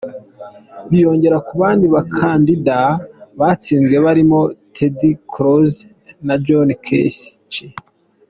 Biyongera ku bandi bakandida batsinzwe barimo Ted Cruz na John Kesich.